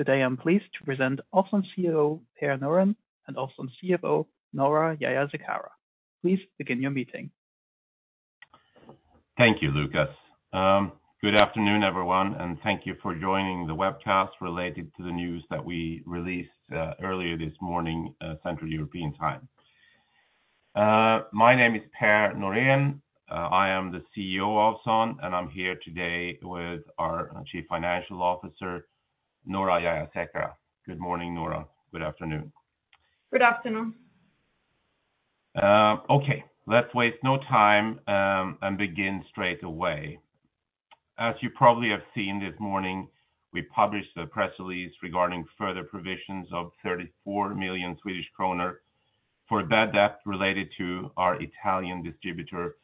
Today, I'm pleased to present Ovzon Chief Executive Officer, Per Norén, and Ovzon Chief Financial Officer, Noora Jayasekara. Please begin your meeting. Thank you, Lucas. Good afternoon, everyone, and thank you for joining the webcast related to the news that we released, earlier this morning, Central European Time. My name is Per Norén. I am the Chief Executive Officer of Ovzon, and I'm here today with our Chief Financial Officer, Noora Jayasekara. Good morning, Nora. Good afternoon. Good afternoon. Let's waste no time, and begin straight away. As you probably have seen this morning, we published a press release regarding further provisions of 34 million Swedish kronor for a bad debt related to our Italian distributor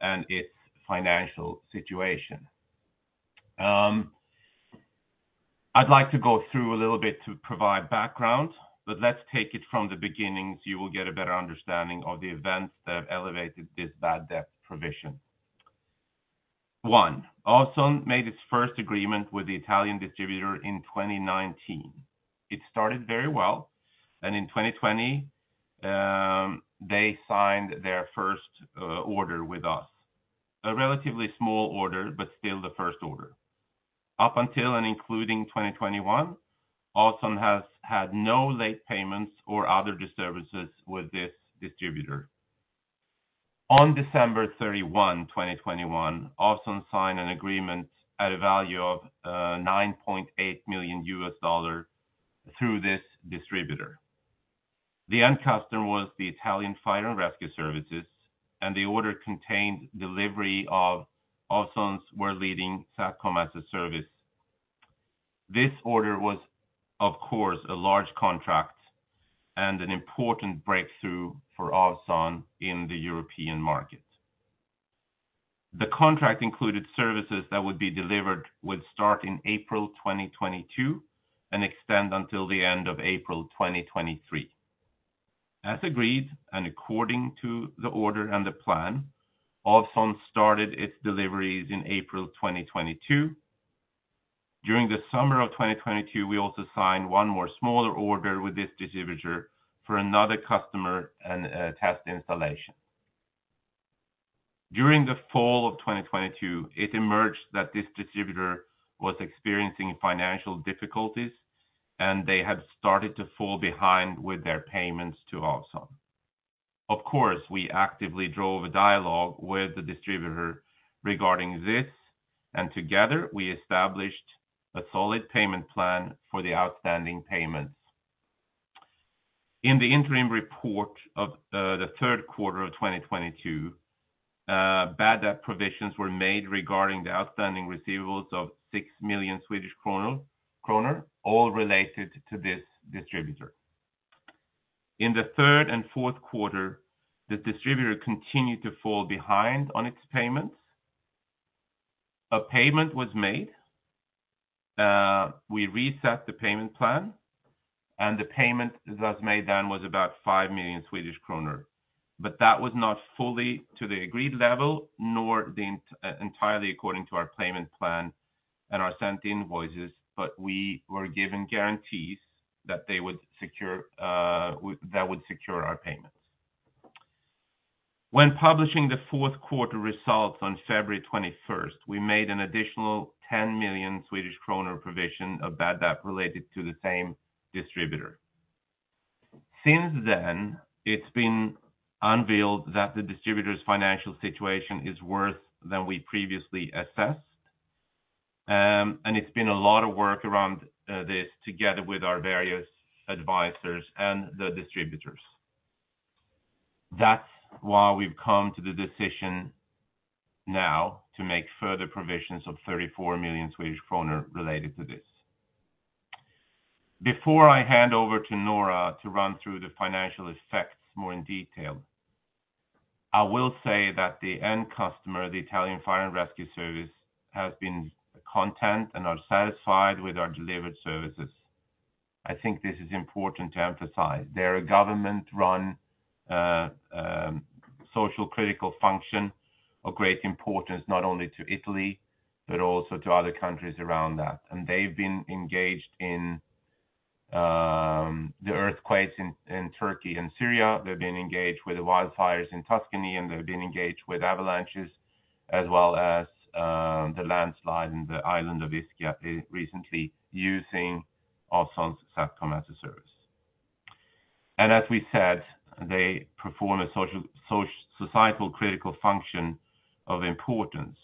and its financial situation. I'd like to go through a little bit to provide background. Let's take it from the beginning, so you will get a better understanding of the events that have elevated this bad debt provision. One, Ovzon made its first agreement with the Italian distributor in 2019. It started very well. In 2020, they signed their first order with us. A relatively small order, but still the first order. Up until and including 2021, Ovzon has had no late payments or other disservices with this distributor. On December 31, 2021, Ovzon signed an agreement at a value of $9.8 million through this distributor. The end customer was the Italian Fire and Rescue Services. The order contained delivery of Ovzon's world-leading SATCOM-as-a-Service. This order was, of course, a large contract and an important breakthrough for Ovzon in the European market. The contract included services that would be delivered with start in April 2022 and extend until the end of April 2023. As agreed, and according to the order and the plan, Ovzon started its deliveries in April 2022. During the summer of 2022, we also signed one more smaller order with this distributor for another customer and a test installation. During the fall of 2022, it emerged that this distributor was experiencing financial difficulties. They had started to fall behind with their payments to Ovzon. Of course, we actively drove a dialogue with the distributor regarding this, and together, we established a solid payment plan for the outstanding payments. In the interim report of the third quarter of 2022, bad debt provisions were made regarding the outstanding receivables of 6 million Swedish kronor, all related to this distributor. In the third and fourth quarter, the distributor continued to fall behind on its payments. A payment was made. We reset the payment plan, and the payment that was made then was about 5 million Swedish kronor. That was not fully to the agreed level nor entirely according to our payment plan and our sent invoices, but we were given guarantees that they would secure our payments. When publishing the fourth quarter results on February 21st, we made an additional 10 million Swedish kronor provision of bad debt related to the same distributor. Since then, it's been unveiled that the distributor's financial situation is worse than we previously assessed, and it's been a lot of work around this together with our various advisors and the distributors. We've come to the decision now to make further provisions of 34 million Swedish kronor related to this. Before I hand over to Noora to run through the financial effects more in detail, I will say that the end customer, the Italian Fire and Rescue Services, has been content and are satisfied with our delivered services. I think this is important to emphasize. They're a government-run, social-critical function of great importance, not only to Italy, but also to other countries around that. They've been engaged in the earthquakes in Turkey and Syria. They've been engaged with the wildfires in Tuscany, and they've been engaged with avalanches as well as the landslide in the island of Ischia recently using Ovzon's SATCOM-as-a-Service. As we said, they perform a social, societal critical function of importance.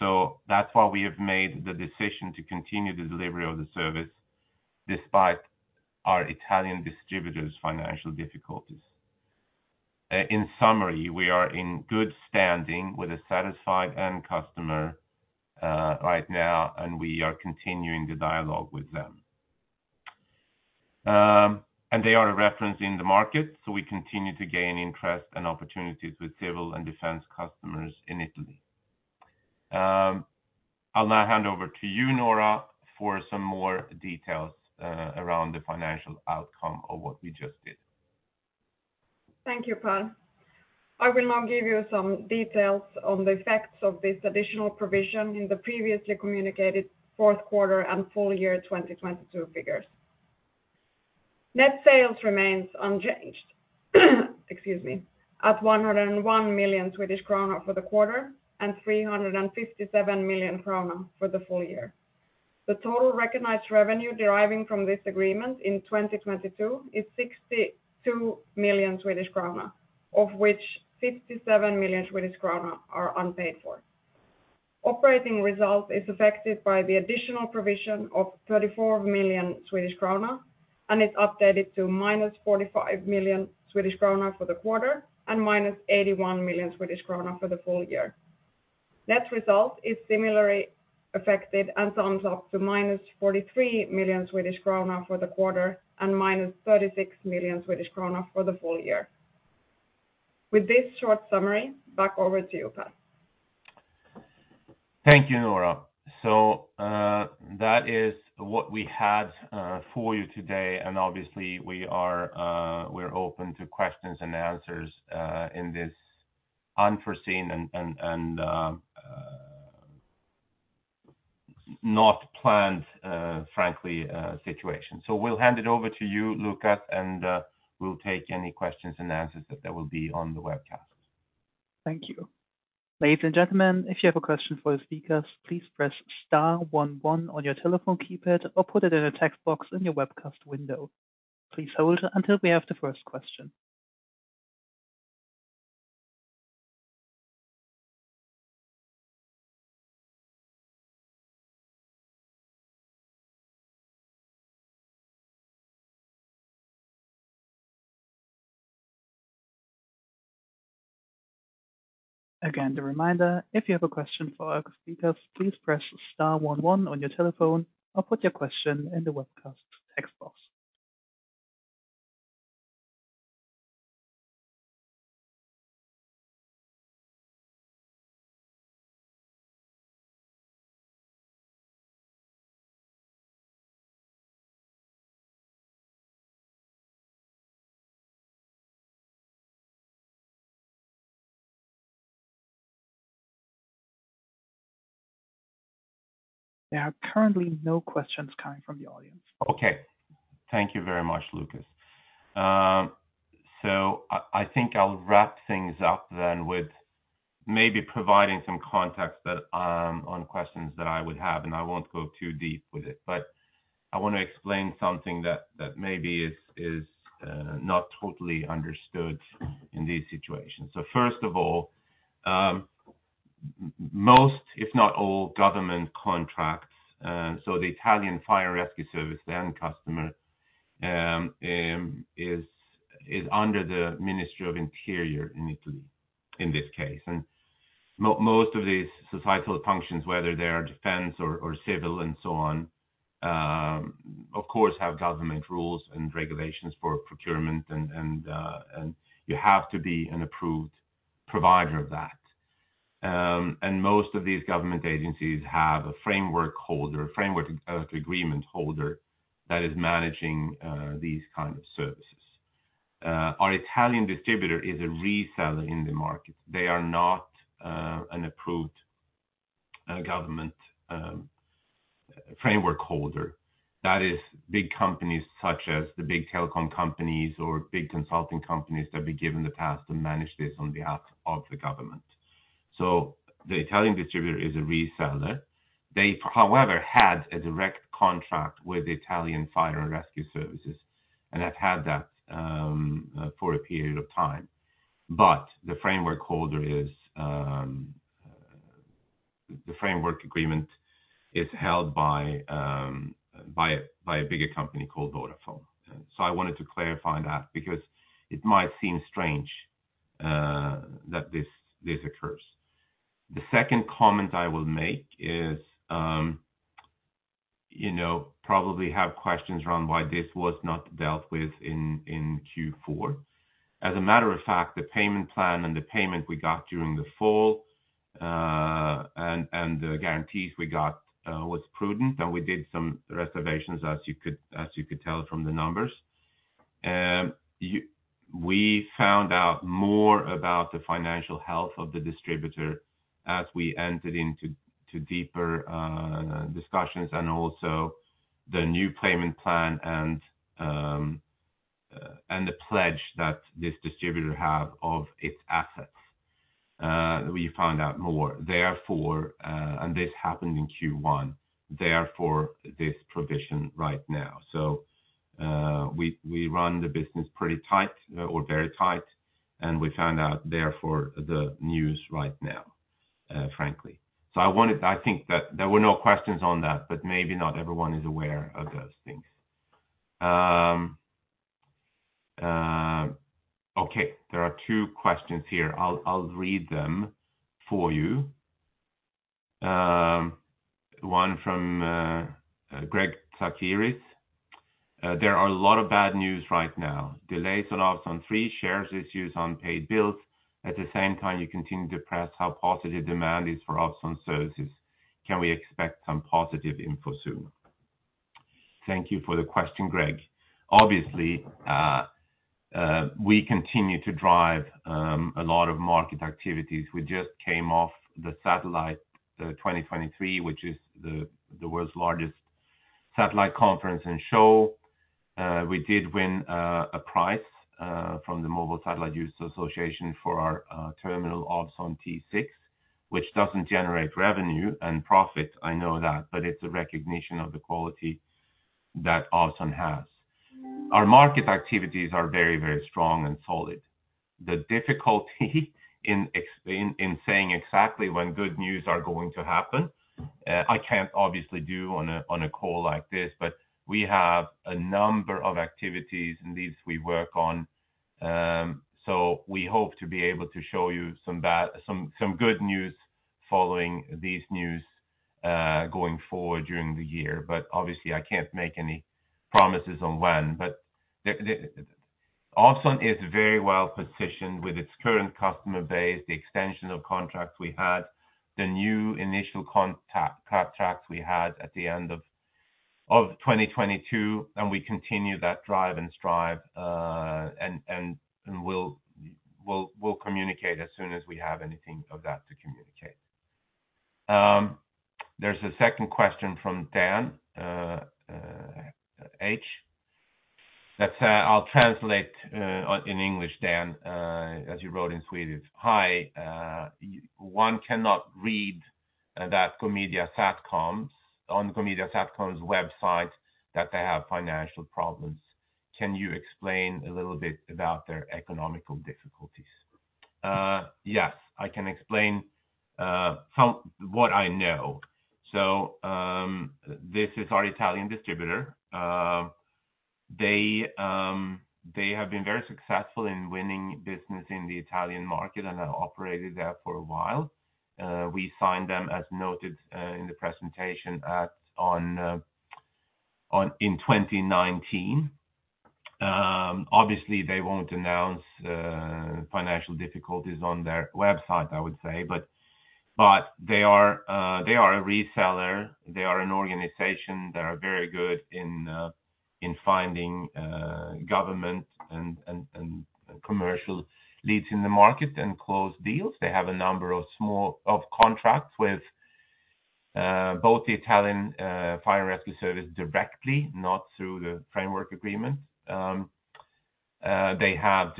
That's why we have made the decision to continue the delivery of the service despite our Italian distributor's financial difficulties. In summary, we are in good standing with a satisfied end customer right now, and we are continuing the dialogue with them. They are a reference in the market. We continue to gain interest and opportunities with civil and defense customers in Italy. I'll now hand over to you, Noora, for some more details around the financial outcome of what we just did. Thank you, Per. I will now give you some details on the effects of this additional provision in the previously communicated fourth quarter and full year 2022 figures. Net sales remains unchanged excuse me, at 101 million Swedish krona for the quarter and 357 million krona for the full year. The total recognized revenue deriving from this agreement in 2022 is 62 million Swedish krona, of which 57 million Swedish krona are unpaid for. Operating result is affected by the additional provision of 34 million Swedish krona, and it's updated to -45 million Swedish krona for the quarter and -81 million Swedish krona for the full year. Net result is similarly affected and sums up to -43 million Swedish krona for the quarter and -36 million Swedish krona for the full year. With this short summary, back over to you, Per. Thank you, Noora. That is what we had for you today, and obviously we are we're open to questions and answers in this unforeseen and not planned frankly situation. We'll hand it over to you, Lucas, and we'll take any questions and answers that there will be on the webcast. Thank you. Ladies and gentlemen, if you have a question for the speakers, please press star one one on your telephone keypad or put it in a text box in your webcast window. Please hold until we have the first question. Again, the reminder, if you have a question for our speakers, please press star one one on your telephone or put your question in the webcast text box. There are currently no questions coming from the audience. Okay. Thank you very much, Lucas. I think I'll wrap things up then with maybe providing some context that on questions that I would have, and I won't go too deep with it. I wanna explain something that maybe is not totally understood in these situations. First of all, most, if not all government contracts, the Italian Fire and Rescue Services, the end customer, is under the Ministry of Interior in Italy in this case. Most of these societal functions, whether they are defense or civil and so on, of course, have government rules and regulations for procurement and you have to be an approved provider of that. Most of these government agencies have a framework holder, a framework agreement holder that is managing these kind of services. Our Italian distributor is a reseller in the market. They are not an approved government framework holder. That is big companies such as the big telecom companies or big consulting companies that we give in the past to manage this on behalf of the government. The Italian distributor is a reseller. They, however, had a direct contract with the Italian Fire and Rescue Services, and have had that for a period of time. The framework agreement is held by a bigger company called Vodafone. I wanted to clarify that because it might seem strange that this occurs. The second comment I will make is, you know, probably have questions around why this was not dealt with in Q4. The payment plan and the payment we got during the fall, and the guarantees we got, was prudent, and we did some reservations, as you could tell from the numbers. We found out more about the financial health of the distributor as we entered into deeper discussions and also the new payment plan and the pledge that this distributor have of its assets. We found out more. This happened in Q1. This provision right now. We run the business pretty tight or very tight, and we found out therefore the news right now, frankly. I think that there were no questions on that, but maybe not everyone is aware of those things. Okay, there are two questions here. I'll read them for you. One from Greg Tsakiris. There are a lot of bad news right now. Delays on Ovzon 3 shares issues on paid bills. At the same time, you continue to press how positive demand is for Ovzon services. Can we expect some positive info soon? Thank you for the question, Greg. Obviously, we continue to drive a lot of market activities. We just came off the SATELLITE 2023, which is the world's largest satellite conference and show. We did win a prize from the Mobile Satellite Users Association for our terminal, Ovzon T6, which doesn't generate revenue and profit, I know that, but it's a recognition of the quality that Ovzon has. Our market activities are very, very strong and solid. The difficulty in saying exactly when good news are going to happen, I can't obviously do on a call like this, but we have a number of activities and these we work on, so we hope to be able to show you some good news following these news going forward during the year. Obviously, I can't make any promises on when. Ovzon is very well-positioned with its current customer base, the extension of contracts we had, the new initial contracts we had at the end of 2022, and we continue that drive and strive, and we'll communicate as soon as we have anything of that to communicate. There's a second question from Dan H. Let's, I'll translate in English, Dan, as you wrote in Swedish. "Hi, one cannot read that Gomedia Satcom's, on Gomedia Satcom's website that they have financial problems. Can you explain a little bit about their economical difficulties?" Yes, I can explain some, what I know. This is our Italian distributor. They have been very successful in winning business in the Italian market and have operated there for a while. We signed them, as noted, in the presentation in 2019. Obviously, they won't announce financial difficulties on their website, I would say. They are a reseller. They are an organization. They are very good in finding government and commercial leads in the market and close deals. They have a number of small contracts with both the Italian Fire and Rescue Services directly, not through the framework agreement. They have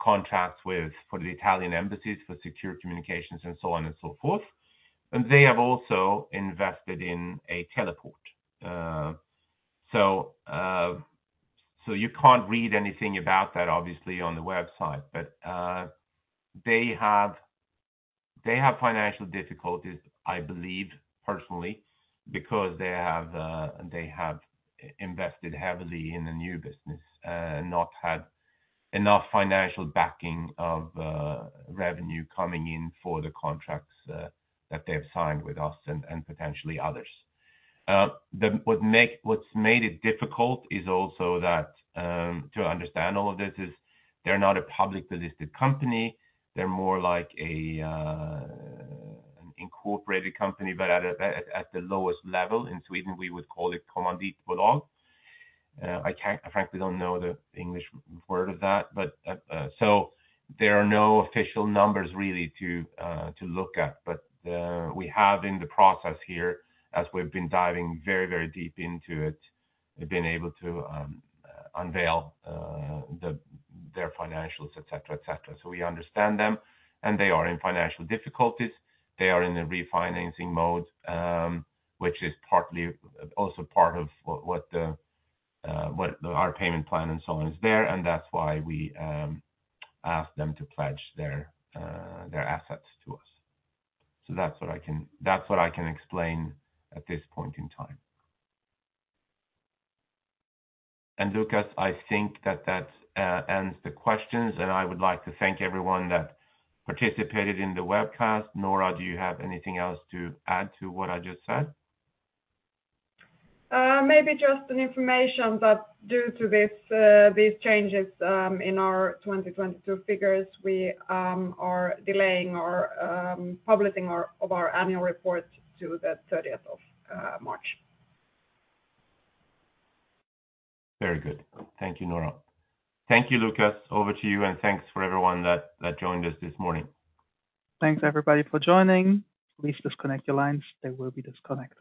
contracts for the Italian embassies for secure communications and so on and so forth. They have also invested in a teleport. You can't read anything about that obviously on the website. They have financial difficulties, I believe personally, because they have invested heavily in a new business and not had enough financial backing of revenue coming in for the contracts that they have signed with us and potentially others. What's made it difficult is also that to understand all of this is they're not a public listed company. They're more like an incorporated company, but at a lowest level. In Sweden, we would call it I frankly don't know the English word of that. There are no official numbers really to look at. We have in the process here, as we've been diving very, very deep into it, we've been able to unveil their financials, etcetera, etcetera. We understand them and they are in financial difficulties. They are in a refinancing mode, which is also part of what our payment plan and so on. That's why we ask them to pledge their assets to us. That's what I can explain at this point in time. Lucas, I think that ends the questions and I would like to thank everyone that participated in the webcast. Noora, do you have anything else to add to what I just said? Maybe just an information that due to these changes, in our 2022 figures, we are delaying publishing of our Annual Report to the 30th of March. Very good. Thank you, Noora. Thank you, Lucas. Over to you. Thanks for everyone that joined us this morning. Thanks, everybody, for joining. Please disconnect your lines. They will be disconnected.